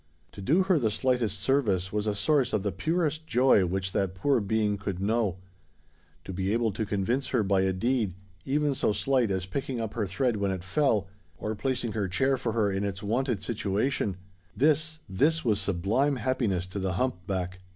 To do her the slightest service was a source of the purest joy which that poor being could know: to be able to convince her by a deed,—even so slight as picking up her thread when it fell, or placing her chair for her in its wonted situation,—this, this was sublime happiness to the hump back!